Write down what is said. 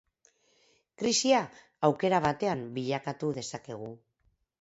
Krisia aukera batean bilakatu dezakegu.